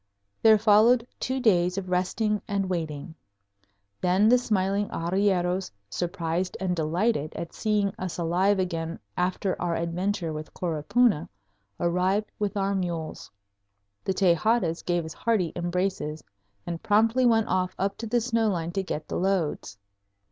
There followed two days of resting and waiting. Then the smiling arrieros, surprised and delighted at seeing us alive again after our adventure with Coropuna, arrived with our mules. The Tejadas gave us hearty embraces and promptly went off up to the snow line to get the loads.